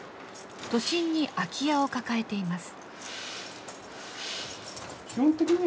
都心に空き家を抱えています。